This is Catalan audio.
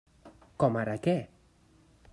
Com ara què?